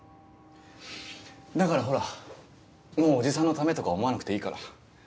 だからほらもう叔父さんのためとか思わなくていいから。